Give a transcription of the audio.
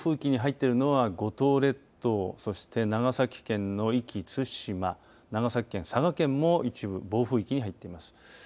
暴風域に入っているのは五島列島、そして長崎県の壱岐対馬長崎県、佐賀県も一部が暴風域に入っています。